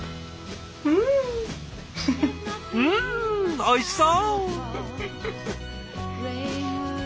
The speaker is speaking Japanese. うんおいしそう！